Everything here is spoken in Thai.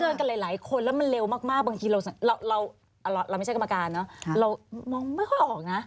เราไม่ใช่กรรมการเนอะเรามองไม่ค่อยออกนะ